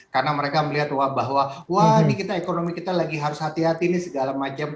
karena mereka melihat bahwa wah ini kita ekonomi kita lagi harus hati hati ini segala macam